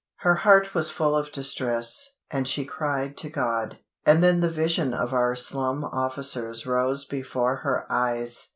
Her heart was full of distress, and she cried to God. And then the vision of our Slum Officers rose before her eyes.